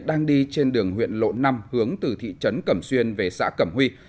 đang đi trên đường huyện lộ năm hướng từ thị trấn cẩm xuyên về xã cẩm huy